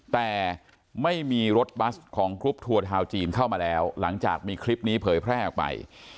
แต่ไม่มีรถบัสของกรุ๊ปทัวร์ทาวน์จีนเข้ามาแล้วหลังจากมีคลิปนี้เผยแพร่ออกไป